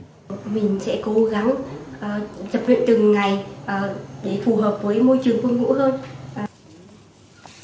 mình sẽ cố gắng tập luyện từng ngày để phù hợp với môi trường quân ngũ hơn